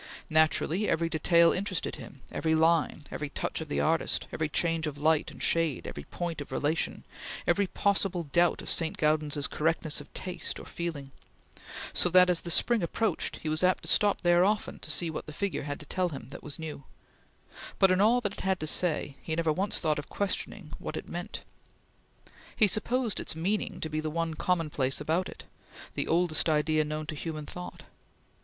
Naturally every detail interested him; every line; every touch of the artist; every change of light and shade; every point of relation; every possible doubt of St. Gaudens's correctness of taste or feeling; so that, as the spring approached, he was apt to stop there often to see what the figure had to tell him that was new; but, in all that it had to say, he never once thought of questioning what it meant. He supposed its meaning to be the one commonplace about it the oldest idea known to human thought.